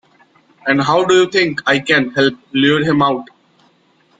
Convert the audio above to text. And how do you think I can help lure him out?